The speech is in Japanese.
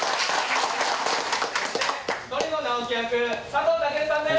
・鳥野直木役佐藤健さんです！